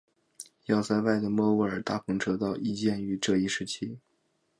要塞外的莫卧尔大篷车道亦建于这一时期。